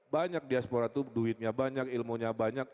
banyak diaspora itu duitnya banyak ilmunya banyak